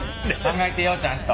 考えてよちゃんと。